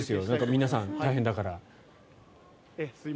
皆さん、大変ですから。